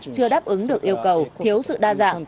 chưa đáp ứng được yêu cầu thiếu sự đa dạng